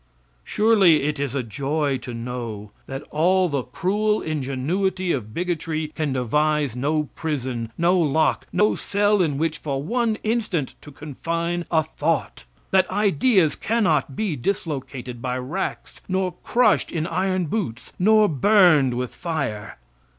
Surely it is a joy to know that all the cruel ingenuity of bigotry can devise no prison, no lock, no cell, in which for one instant to confine a thought; that ideas cannot be dislocated by racks, nor crushed in iron boots, nor burned with fire.